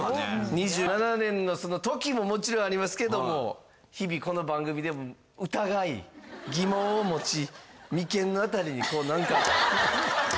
２７年の時ももちろんありますけども日々この番組でも疑い疑問を持ち眉間の辺りにこうなんか。